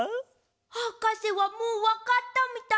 はかせはもうわかったみたい。